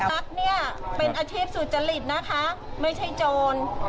ตั๊กเนี่ยเป็นอาชีพสุจริตนะคะไม่ใช่โจร